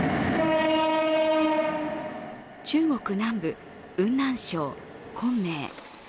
中国南部・雲南省昆明。